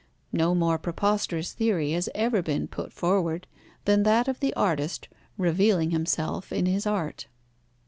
No more preposterous theory has ever been put forward than that of the artist revealing himself in his art.